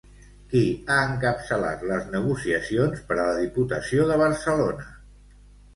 Qui ha encapçalat les negociacions per a la Diputació de Barcelona?